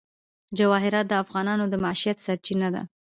جواهرات د افغانانو د معیشت سرچینه ده.